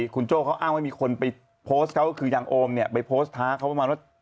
คุณโจ้เขาอ้างว่ามีคนไปโพสต์เขาก็คือยังโอมเนี่ยไปโพสต์ท้าเขาประมาณว่า